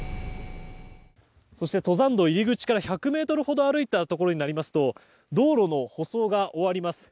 そして登山道入り口から１００ｍほど歩いたところになりますと道路の舗装が終わります。